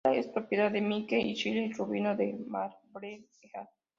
Ahora es propiedad de Mike y Chris Rubino de Marblehead.